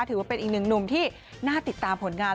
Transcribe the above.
ถือว่าเป็นอีกหนึ่งหนุ่มที่น่าติดตามผลงาน